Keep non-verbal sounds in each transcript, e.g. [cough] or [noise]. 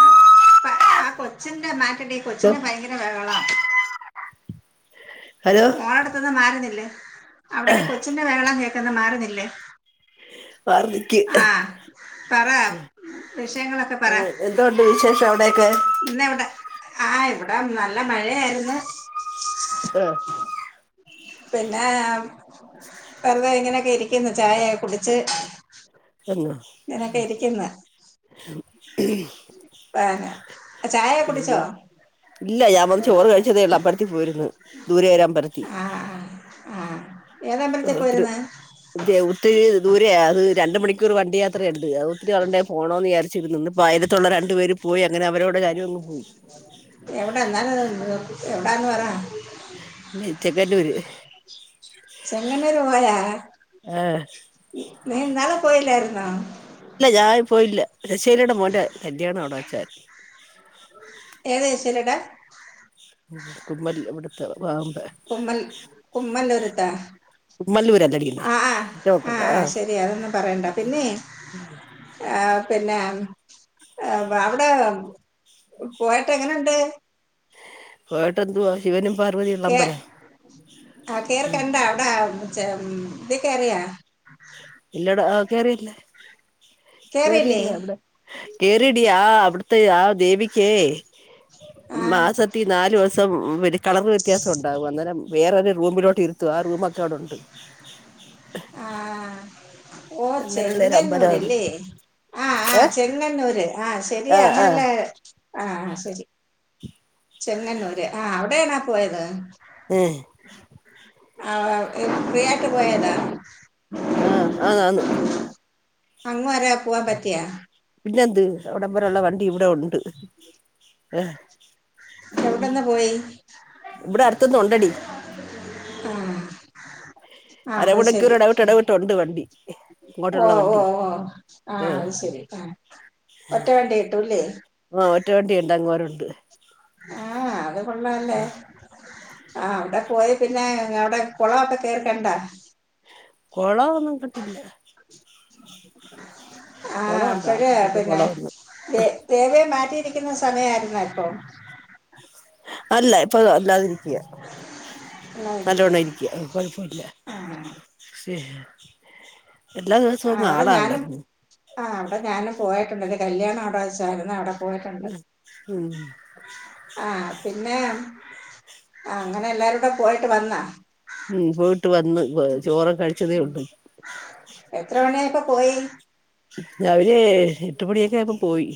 ആ ആ കൊച്ചിന്റെ മാ പിന്നെ ഈ ഹലോ കൊച്ചിൻ്റെ ഭയങ്കര ബഹളാ ഹലോ മോളെടുത്തന്ന് മാറിന്നില്ലേ അവിടക്ക കൊച്ചിന്റെ വേഹളം കേക്കുന്ന് മാറിന്നില് വാർദ്ധക്ക് ആഹ പറ വിഷയങ്ങളൊക്കെ പറ എന്തോണ്ട് വിശേഷം അവിടെയൊക്കെ ഇന്ന് എവിടെ ആഹ് ഇവിടെ നല്ല മഴയായിരുന്നു ഏഹ് പിന്നേ വെറുതെ ഇങ്ങനെക്കെ ഇരിക്കുന്നു, ചായയൊക്കെ കുടിച്ച്. എന്ന ഇങ്ങനെയൊക്കെ ഇരിക്കുന്നു പേരാ ചായക്കെ കുടിച്ചോ?. ഇല്ല ഞാൻ വന്ന് ചോറ് കഴിച്ചതേയുള്ളു. അമ്പലത്തിൽ പോയിരുന്നു. ദൂരെ ഒരു അമ്പലത്തിൽ. ആ ആ ആ. തി ഏതമ്പലത്തിൽ അതൃ പോയിരുന്ന് ഇതെ ഒത്തിരി ദൂരെയാ, അത് രണ്ട് മണിക്കൂർ വണ്ടി യാത്രയുണ്ട്, അത് ഒത്തിരി വളണ്ടേ പോണോന്ന് വിചാ ച്ചിരുന്നു ന്ന്പ്പ അയിലത്തുള്ള രണ്ടു പേര് പോയി അങ്ങനെ അവരോടെ ഞാനു അങ്ങ് പോയി. എവിടാന്നാലും എവിടാന്ന് പറ മ ചെങ്ങന്നൂര് ചെങ്ങന്നുർ പോയാ ആ നീന്നാള്ളു പോയിലായിരുന്നോ?. ഇല്ല ഞാൻ പോയില്ല. ശശികലയുടെ മോൻ്റെ കല്യാണം അവിടെ വച്ചായിരുന്നു. ഏത് ശികലടെ കുമൽ വിടുത്തെ വാമ്പ കുമ്മൽ കുമ്മന്നൂരിത്തെ?. ആഹ് കുമ്മല്ലൂരല്ലടിക്കുന്നേ ആഹ് ഒട്ടുള്ള ആഹ് ആഹ് ആ ശരി അതൊന്നും പറയണ്ട പിന്നെ ആഹ് പിന്നെ എഹ് വെ അവിടെ പോയട്ട് എങ്ങനെണ്ട്?. പോയട്ട് എന്തുവാ?. ശിവനും പാർവ കേ ആഹ് കേറി കണ്ടാ അവിട ച്ചെ ഉം ഇതീ കേയറിയാ ഇല്ലട കേയറിയില്ല. കേറിയില്ലേ കേറിയില്ല അവിടെ കേറി യടി അവിടത്തെ ആ ദേവിക്കേ ആ മാസത്തിൽ നാല് ദിവസം കളർ വ്യത്യാസം ഉണ്ടാവും അന്നരം വേറെരു റുമിലോട്ട് ഇരുത്തു ആ റുമൊക്കവിടെ ഉണ്ട്. ആഹ് ഓഹ് അങ്ങനെയുള്ള ഒരു അമ്പലാ ചെങ്ങന്നൂര് അത് ല്ലേ ആഹ് ആഹ് ചെങ്ങന്നൂര്. ആഹ് ശെരിയ ആഹ് ആഹ് നമ്മളെല്ലാം ആഹ് ആഹ് ശരി [unintelligible] ചെങ്ങന്നൂര് ആഹ് അവിടെണാ പോയത്?. ഏഹ് ആഹ് ഫ്രിയാട്ട് പോയതാ. ആഹ് ആന്ന് അങ്ങ് വരെ പോവാൻ പറ്റിയ പിന്നെന്ത് അവിടം വരെ ഉള്ള വണ്ടി ഇവിടെ ഉണ്ട്. ഏഹ് എവിടെന്ന് പോയി?. ഇവിടെ അടുത്തുന്നു ഉണ്ടടി. ആഹ് അരമണക്കൂർ ഇടവിട്ട് ഇടവിട്ട് ഉണ്ട് വണ്ടി. ഇങ്ങോട്ടുള്ള ഓഹ് വണ്ടി ഓഹ് ഓഹ് ആഹ് അഹ് ശരി ആഹ് ഒറ്റ വേണ്ടി കട്ടുംല്ലേ?. ആഹ് ഒറ്റ വണ്ടിണ്ട് അങ്ങോരണ്ട്. ആഹ് അത് കൊള്ളല്ലേ?. ആഹ് അവിടെ പോയി പിന്നെ അവിടെ കുളക്കെ കേറിക്കണ്ട കൊളംന്നും കണ്ടില്ല. ആഹ് കൊളം ഉണ്ടോ അപ്പഴ ആ കണ്ടില്ല പിന്നെ കൊളമൊന്നും ദേ ദേവയെ മാറ്റിയിരിക്കുന്ന സമയായിരുന്നോ അപ്പോ?. അല്ല ഇപ്പൊ അല്ലാതിരിക്കയാ, നല്ലൊണം ഇരിക്കുകയാണ് ഇരിക്കുക കൊഴപ്പല്ല. [unintelligible] ആ അവിടെ ഞാനും ആ അവിടെ ഞാനും പോയിട്ടുണ്ട് എൻ്റെ കല്യാണം അവിടെ വച്ചായിരുന്നു. അവിടെ പോയിട്ടുണ്ട്. ഉം ആഹ് പിന്നെ ആ അങ്ങനെ എല്ലാരുടെ പോയിട്ട് വന്നാ ഉം പോയിട്ട് വന്ന് ചോറ് കഴിച്ചതേ ഉള്ളൂ എത്ര മണിയായപ്പോ പോയി? രാവിലെ എട്ട് മണിയൊക്കെ ആയ്പം പോയി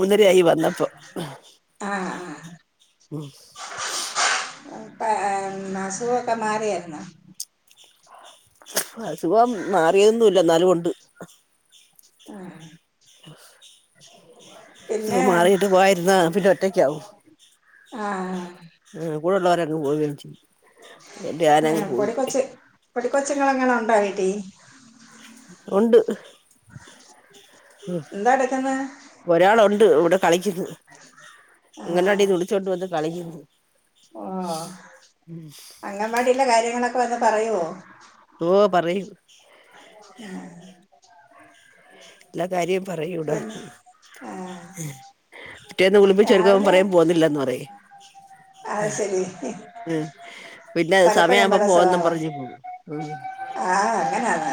മുന്നര ആയി വന്നപ്പ ആഹ് ആഹ് ഉം അസുഖക്കെ മാറിയായിരുന്ന അസുഖം മാറിയന്നുംല്ല എന്നാലും ഉണ്ട് ആഹ് പിന്നെ അസുഖം മാറിയിട്ട് പോയിരുന്നാ പിന്നെ ഒറ്റയ്ക്കാവും ആഹ് ആ കൂടെള്ളവരങ്ങ് പോവും ചെയ്യും അതുകൊണ്ട് ഞാനങ്ങ് പോയി പൊടിക്കൊച്ചങ്ങൾ എങ്ങനെ ഉണ്ടായിട്ട് ഉണ്ട് എന്താടക്കന്ന ഒരാളുണ്ട് ഇവിടെ കളിക്കുന്നു ആ അങ്കൺവാടിന്ന് വിളിച്ചോണ്ട് വന്ന് കളിക്കുന്നു ഓ അംഗൻവാടിള്ള കാര്യങ്ങളൊക്കെ വന്ന് പറയുവോ ഓ പറയും ആഹ് എല്ലാ കാര്യം പറയൂടവന്ന് പിന്നെ ആ റ്റേന്ന് കുളിപ്പിച്ചെടുക്കുമ്പോ രാവിലെ പറയു പോവുന്നില്ലന്ന് പറയും അത് ശരി ഉം പിന്നെ പലപ്പോഴും സമയവുമ്പോ പോവന്നും പറഞ്ഞു പോവും ആഹ് ആഹ് അങ്ങനാന്നോ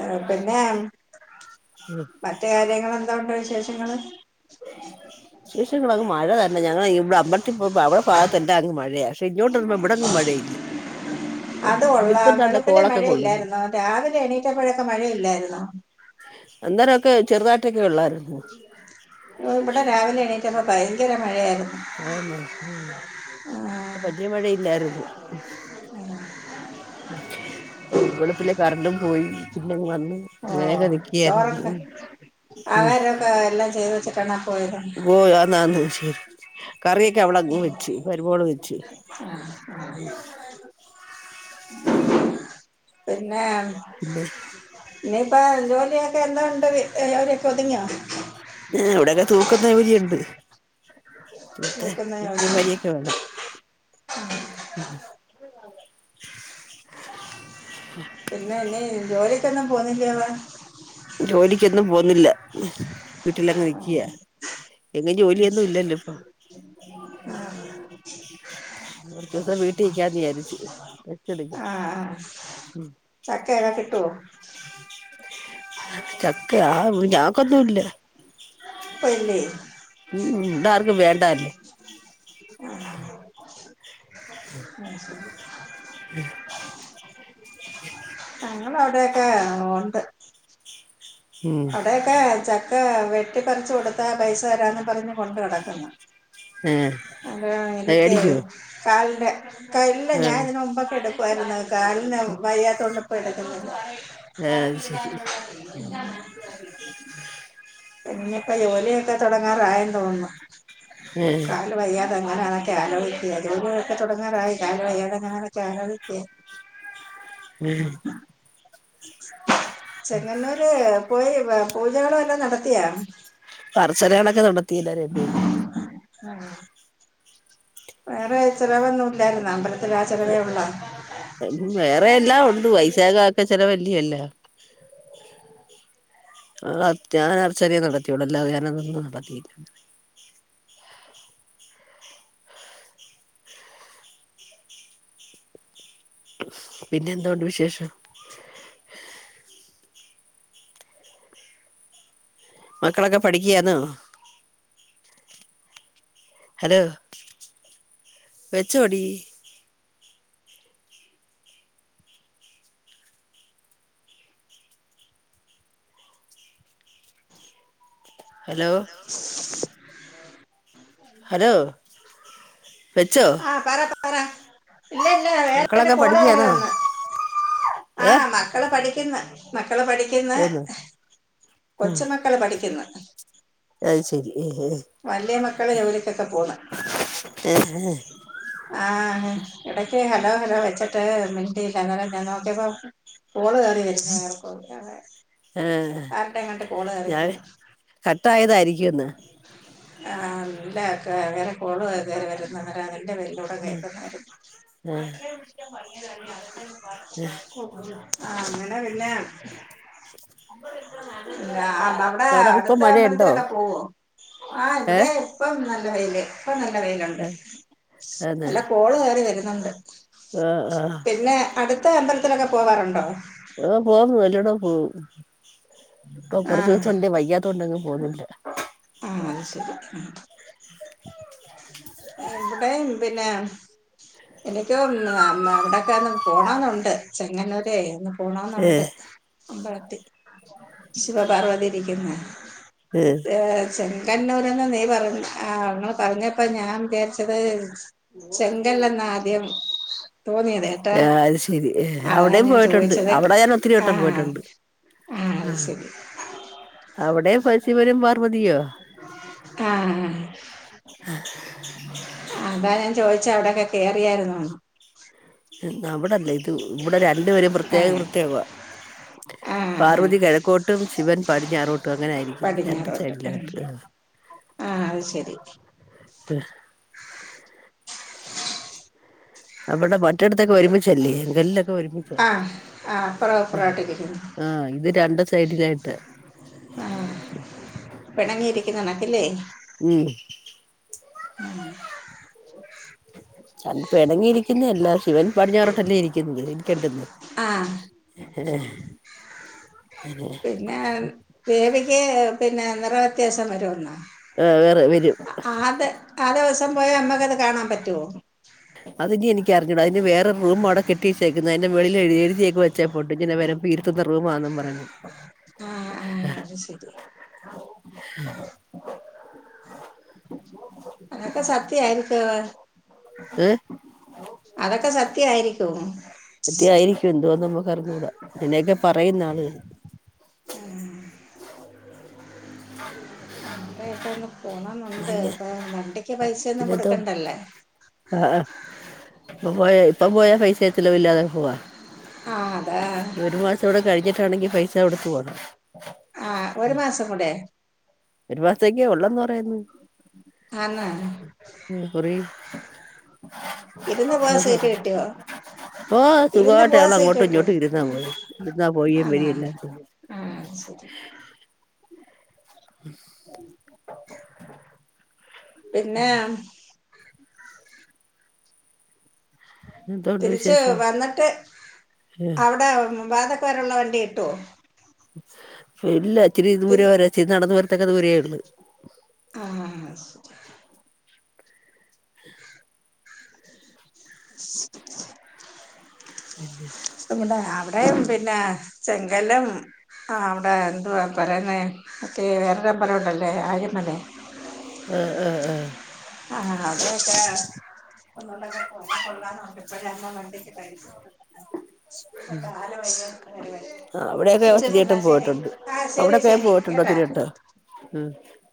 ആഹ് പിന്നെ ഉം മറ്റ കാര്യങ്ങൾ എന്താ ഉണ്ടോ വിശേഷങ്ങള് ശേഷങ്ങള അങ്ങ് മഴ തന്നെ ഞങ്ങ ഇവിടെ അമ്പത്തി അവിടെ ഭാഗത്ത്ല്ലാ അങ് മഴയാ ഇങ്ങോട്ട് വരുമ്പോ ഇവിടങ്ങ് മഴയില്ല അത ഇവിടെ കൊള്ള ഇപ്പം ദാണ്ടെ വെളുപ്പിലേ കോളൊക്കെ മഴ കൊള്ളുന്നു ഇല്ലായിന്നോ രാവിലെ എണീറ്റപ്പോഴൊക്കെ മഴയില്ലായിരുന്നോ അന്നേരൊക്കെ ചെറുതായിട്ടൊക്കെ ഉള്ളായിരുന്നു ഇവിടെ രാവിലെ എണീറ്റ്പ ഭയങ്കര മഴയായിരുന്നു ആന്നോ ആ. ഉം വലിയ മഴയില്ലായിരുന്നു വെളുപ്പിലെ കറണ്ടും പോയി പിന്നങ് വന്നു ഓ വേഗം നിക്കിയായിരുന്നു ചോറൊക്കെ ഉം ആഹാരമൊക്കെ എല്ലാം ചെയ്തു വെച്ചിട്ടാണ് പോയത് ഓ അന്നാണ് ശരി കറിയൊക്കെ അവളങ് വെച്ച് മരുമോള് വെച്ച് പിന്നെ പിന്നെ ഇനിയിപ്പം ജോലിയൊക്കെ എന്താ ഉണ്ട് ജോലിയൊക്കെ ഒതുങ്ങിയോ ഇവിടെയക്കെ തൂക്കുന്ന ജോലി ഉണ്ട് ചൂത്ത നോക്കുന്ന മുറ്റിയ ജോലി മരിയൊക്കെ വേണം പിന്നെ ഇ ജോലിയക്ക് ഒന്നും പോന്നില്ലവ ജോലിക്ക് ഒന്നും പോന്നില്ല വീട്ടിലങ്ങ് നിക്കിയ എങ്ങും ജോലിയൊന്നും ഇല്ലല്ലോ ഇപ്പൊ കുറച്ച് ദിവസം വീട്ടിൽ നിക്കാന്ന് വിചാരിച്ച് റെസ്റ്റ് [unintelligible] എടുക്കാൻ ആഹ് ആഹ് ചക്കയൊക്കെ കിട്ടുവോ ചക്ക ആഹ് ഞങ്ങക്കൊന്നും ഇല്ല [unintelligible] അഹ് ഉം ഇവിടെ ആർക്കും വേണ്ടാല്ലേ ശരി ഞങ്ങളവിടൊക്കെ ആഹ് ഉണ്ട് ഉം അവിടൊക്കെ ചക്ക വെട്ടിപ്പിച്ചു കൊടുത്താ പൈസ തരാന്ന് പറഞ്ഞ് കൊണ്ട് കിടക്കുന്നു ഏഹ് അത എനിക്കേ മേടിക്കുവോ കാലിന്റെ കല്ല ഞാൻ ആഹ് ഇതിന മുമ്പൊക്കെ എടുക്ക രുന്നു കാലിന വയ്യാത്തോണ്ട് ഇപ്പൊ എടുക്കുന്നില്ല ആഹ് അത് ശരി [unintelligible] പിന്നൊക്കെ ജോലിയൊക്കെ തുടങ്ങാറായെന്ന് തോന്നുന്നു ഏഹ് വയ്യാതെങ്ങനൊക്കെ ആക്കുക ജോലൊക്കെ തുടങ്ങാറായി താ വയ്യാതെ അങ്ങാനാലോചിക്കുക [unintelligible] ചെങ്ങന്നൂര് പോയി പൂജകളും എല്ലാം നടത്തിയ പർച്ചരണൊക്കെ നടത്തിയില്ല രേബ്യയിൽ [unintelligible] വേറെ ചെലവൊന്നും ഇല്ലായിരുന്ന അമ്പലത്തി ആഹ് ചിലവേ ഉള്ള വേറെയല്ല ഉണ്ടെ വൈശാഖ ആക്കെ ചെലവല്യ എല്ലാം ആഹ് ഞാൻ അർച്ചനിയെ നടത്തിയോളൂ അല്ല ഞാന അതന്ന് നടത്തിയിട്ടുണ്ട് പിന്നെ എന്തൊണ്ട് വിശേഷം മക്കളൊക്കെ പഠിക്കയാന്നോ ഹലോ വെച്ചോടി ഹലോ ഹലോ വെച്ചോ ആഹ് പറ പറ പറ ഇല്ല ഇല്ല വേറെ മക്കളൊക്കെ കോള് കയറി പഠിക്കയാന്നോ വന്ന് ഏ ആഹ് മാ മക്കള പഠിക്കുന്ന മക്കള പഠിക്കുന്ന എന്ന് കൊച്ച മക്കള് പഠിക്കുന്ന അയ്ശരി ഉം ഉം വലിയ മക്കള ജോലിക്കൊക്കെ പോണ് ആഹ് ഇടക്ക് ഹലോ ഹലോ വെച്ചിട്ട് മിണ്ടിയില്ല എന്നാരം ഞാൻ നോക്കിയപ്പോ കോള് കയറി [unintelligible] ഏഹ് ആരട്ട എങ്ങട്ട് കോള് കയറി വരുന്നു കട്ടായതായിരിക്കുന്ന് ആഹ് നല്ല വേറെ കോള് വരുന്നവതിന്റെ പേരിലോ ആ [unintelligible] ആഹ് അങ്ങനെ പിന്നെ മ്മടെ അവിടെ ഇപ്പൊ അടുത്ത അഹ് മഴയുണ്ടോ ഇക്കെ പോവോ ആഹ് ഏ ഇവിടെ ഇപ്പം നല്ല വൈയില് ഇപ്പ നല്ല വെയിലുണ്ട് നല്ല കോള് കയറി വരുന്നുണ്ട് ആഹ് ആഹ് പിന്നെ അടുത്ത അമ്പലത്തിലൊക്കെ പോവാറുണ്ടോ പോകുന്നു അല്ലടാ പോ ഇപ്പൊ കൊറച്ച ആഹ് ദിവസം ഉണ്ട് വയ്യാത്ത കൊണ്ട്ങ്ങ് പോകുന്നില്ല ആഹ് അത് ശരി ഉം ഇവിടെ പിന്നെ എനിക്കും അവിടെക്കെ ഒന്ന് പോണന്നുണ്ട് ചെങ്ങന്നൂരെ ഏ പോണന്നുണ്ട് അമ്പലത്തി ശിവപാർവതി ഇരിക്കുന്ന ഏ [inaudible] ചെകന്നൂർന്ന് നീ പറഞ്ഞ ആഹ് ഇങ്ങള് പറഞ്ഞപ്പ ഞാൻ വിചാരിച്ചത് ചെങ്കല്ലെന്ന ആദ്യം തോന്നിയത ട്ട് ആ അത് ശരി അതാ അവിടെയും ഞാൻ പോയിട്ടുണ്ട് ചോദിച്ചത് അവിടെ ഞാൻ ഒത്തിരി വട്ടം ആഹ് പോയിട്ടുണ്ട് ആഹ് അത് ശരി അവിടെ ശിവനും പാർവതിയോ ആഹ് അതാ ഞാൻ ചോദിച്ചെ അവിടൊക്കെ കേറിയായിരുന്നോന്ന് ഉം അവിടല്ലേ ഇത് ഇവിടെ രണ്ടുപേരും പ്രത്യേക ആഹ് പ്രത്യേകവാ ആഹ് ആഹ് പാർവതി കെഴക്കോട്ടും ശിവൻ പടിഞ്ഞാറോട്ടും അങ്ങനെ ഇരിക്കുന്നെ പടിഞ്ഞാറോട്ട് ആഹ് അത് ശരി അവിടെ മറ്റടത്തൊക്കെ ഒരുമിച്ചല്ലേ എങ്കല്ലിലൊക്കെ ഒരുമിച്ചാ ആഹ് ആഹ് പ്രോപ്പറായിട്ടിരിക്കുന്നു ആഹ് ഇത് രണ്ട് സൈഡിലായിട്ട് ആഹ് പെണങ്ങിയിരിക്കുന്ന കണക്കല്ലേ? ഉം [unintelligible] ണ്ട് പെണങ്ങിയിരിക്ക് പിന്നെ എല്ല ശിവൻ പടിഞ്ഞാറോട്ടല്ലേ ഇരിക്കുന്നത് ഇരിക്കണ്ടുന്നേ ആഹ് അങ്ങനെ പിന്നെ ദേവിക്ക് പിന്നെ റെറ വ്യത്യാസം വെരുവെന്നോ ആ വേറെ വരും ആത് ആ ദെവസം പോയ നമ്മക്ക് അത് കാണാൻ പറ്റുവോ അതിനി എനിക്കറിഞ്ഞൂടാ അതിന് വേറെ റൂം അവിടെ കെട്ടി വെച്ചേക്കുന്ന അതിന്റെ വെളില് എഴുതി എഴുതിയൊക്കെ വച്ചേപ്പോണ്ട് ഇങ്ങനെ വരു വീർത്ത നിർവമാന്നും പറഞ്ഞ് ആഹ് ആഹ് അത് ശരി അതൊക്കെ സത്യ ആയിരിക്കുവാ ഏഹ് അതൊക്കെ സത്യയിരിക്ക് പറ്റി ആയിരിക്കും എന്തുവാന്ന് നമ്മക്ക് അറിഞ്ഞുകൂടാ അങ്ങനെയൊക്കെ പറയുന്ന് ആളുകള് ഉം അവിടെയൊക്കെ ഒന്ന് പോണന്നുണ്ട് പിന്നെ ഇപ്പൊ വണ്ടിക്ക് പൈസയൊന്നും പിന്നെന്തോ കൊടുക്കണ്ടല്ലേ ആഹ് ആഹ് ഇപ്പൊ പോയാ ഇപ്പ പോയാ പൈസ ചെലവില്ലാതെ പോവാ ആഹ് അതാ ഒരു മാസം ഇവിടെ കഴിഞ്ഞിട്ടാണെങ്കി പൈസാ കൊടുത്ത് പോണം ആഹ് ഒരു മാസം കൂടെ ഒരു മാസത്തേക്കെ ഒള്ളന്ന് പറയുന്നു ആന്ന് കുറി ഇരുന്ന് പോവാൻ സീറ്റ് കിട്ടിയോ ഓഹ് ഇരുന്ന് സുഖായിട്ട് പോവാൻ ഞങ്ങള് സീറ്റ് അങ്ങോട്ടു കിട്ടിയോ ഇങ്ങോട്ടു ഇരുന്നാ പോയെ ഇരുന്നാ പോവേം ആന്നാ വേരേം ചെയ്തത് ആഹ് അത് ശരി ഉം ഉ പിന്നെ എന്തോണ്ട് തിരിച്ച് വിശേഷം വന്നിട്ട് അവിടെ വാതക്ക വരെള്ള വണ്ടി കിട്ടുവോ ഇല്ല ഇച്ചിരി ദൂരെ തിരി വ ഇച്ചിരി നടന്ന വരത്തക്ക ദൂരയേ ഉള്ളു. ആ [unintelligible] [inaudible] [inaudible] പിന്നെ [unintelligible] അവിടെയും പിന്നെ ചെങ്കല്ലം ആ അവിടെ എന്തുവാ പറയുന്നേ മറ്റേ വേറൊരമ്പല ഉണ്ടല്ലേ ആയമലേ. ആഹ് ആ ആ. ആഹാ അതെക്കാ, [unintelligible] ഒക്കെ പോയാ കൊള്ളാന്നുണ്ട് ഇപ്പഴാ [unintelligible] വണ്ടിക്ക് [unintelligible] കാല് ആഹ് [unintelligible] അവിടെയൊക്കെ ശരി എന്ന ശരി ആഹ് ശരി ശരി ഇട്ടുണ്ടോ കേട്ടാ ത്തിരിയെട്ട് ഉം